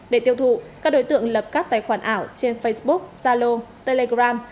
để tiêu thụ các đối tượng lập các tài khoản ảo trên facebook zalo telegram